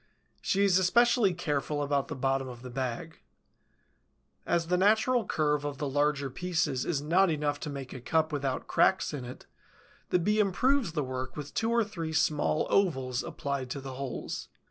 She is especially careful about the bottom of the bag. As the natural curve of the larger pieces is not enough to make a cup without cracks in it, the Bee improves the work with two or three small ovals applied to the holes.